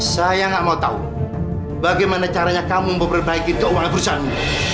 saya nggak mau tahu bagaimana caranya kamu memperbaiki keuangan perusahaanmu